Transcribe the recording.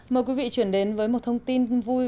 mời quý vị chuyển đến với một thông tin vui